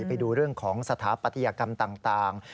ไปดูเรื่องของสถาปัตยกรรมต่าง